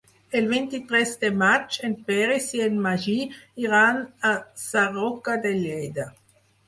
El vint-i-tres de maig en Peris i en Magí iran a Sarroca de Lleida.